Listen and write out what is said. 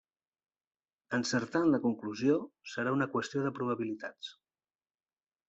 Encertar en la conclusió serà una qüestió de probabilitats.